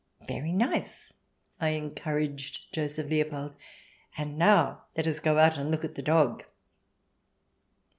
" Very nice !" I encouraged Joseph Leopold ;" and now let us go out and look at the dog."